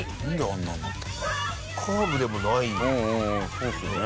そうですね。